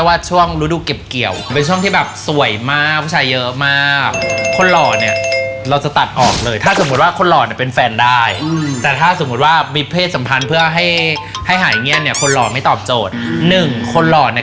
ลาบก้อยอ่ะมันต้องเต็มหน้าประตูบ้านเลยแสดงว่าเราเลือกลาบก้อย